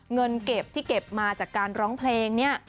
เงินเก็บที่เก็บมาจากการร้องเพลงเนี่ย